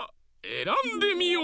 えらんでみよ！